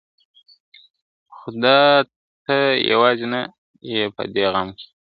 خو دا ته یوازي نه یې په دې غم کي !.